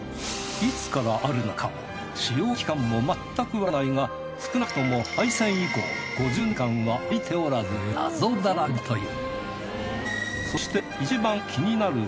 いつからあるのか使用期間も全くわからないが少なくとも廃線以降５０年間は開いておらず謎だらけだという。